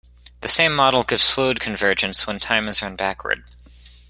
The same model gives fluid convergence when time is run backward.